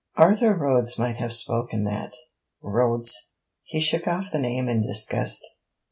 'Arthur Rhodes might have spoken that.' 'Rhodes!' he shook off the name in disgust.